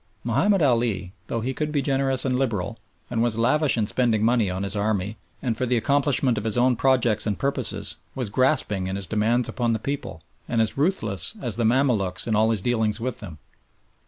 Mahomed Ali, though he could be generous and liberal, and was lavish in spending money on his army and for the accomplishment of his own projects and purposes, was grasping in his demands upon the people and as ruthless as the Mamaluks in all his dealings with them.